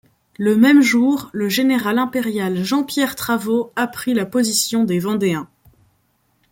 Le même jour, le général impérial Jean-Pierre Travot apprit la position des Vendéens.